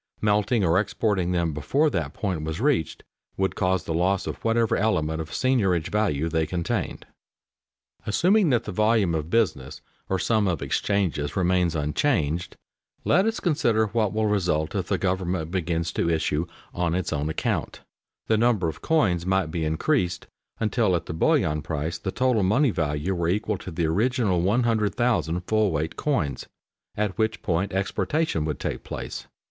Melting or exporting them before that point was reached would cause the loss of whatever element of seigniorage value they contained. [Sidenote: Example of excess and depreciation of coins] Assuming that the volume of business, or sum of exchanges, remains unchanged, let us consider what will result if the government begins to issue "on its own account." The number of coins might be increased until at the bullion price the total money value were equal to the original 100,000 full weight coins, at which point exportation would take place.